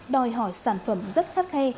đòi hỏi sản phẩm rất khắc khe